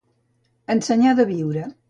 Ensenyar de viure.